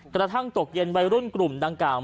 กระทั่งตกเย็นวัยรุ่นกลุ่มดังกล่าว